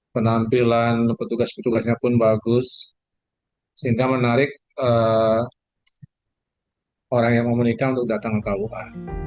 penampilan petugas petugasnya pun bagus sehingga menarik orang yang mau menikah untuk datang ke kua